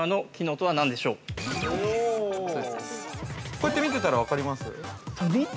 ◆こうやって見てたら、分かります？